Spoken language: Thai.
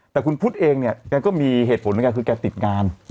แต่คุณพุทธเองเนี่ยแกก็มีเหตุผลเหมือนกันคือแกติดงาน